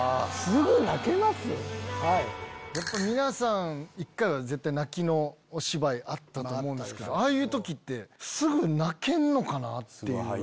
皆さん一回は絶対泣きのお芝居あったと思うんですけどああいう時ってすぐ泣けんのかなっていう。